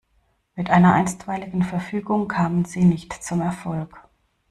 Mit einer Einstweiligen Verfügung kamen sie nicht zum Erfolg.